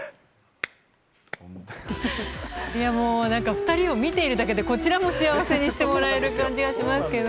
２人を見ているだけでこちらも幸せにしてもらえる感じがしますけど。